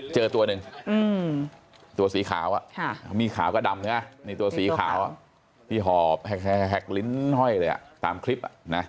เจอตัวหนึ่งตัวสีขาวมีขาวก็ดำใช่ไหมนี่ตัวสีขาวที่หอบแหกลิ้นห้อยเลยตามคลิปนะ